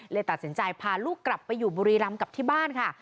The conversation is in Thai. เลยตัดสินใจพาลูกกลับไปอยู่บุรีรำกับที่บ้านค่ะ